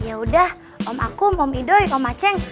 yaudah om akum om idoy om aceng